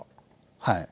はい。